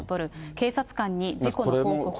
警察官に事故の報告をする。